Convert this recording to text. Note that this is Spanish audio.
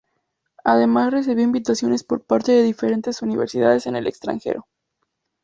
Además recibió invitaciones por parte de diferentes universidades en el extranjero.